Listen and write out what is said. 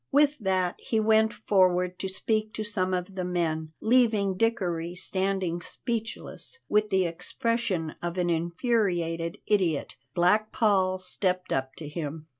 With that he went forward to speak to some of the men, leaving Dickory standing speechless, with the expression of an infuriated idiot. Black Paul stepped up to him.